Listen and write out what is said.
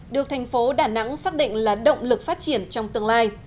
được thành phố đà nẵng xác định là động lực phát triển trong tương lai